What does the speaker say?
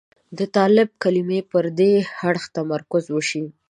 د طالب د کلمې پر دې اړخ تمرکز وشي.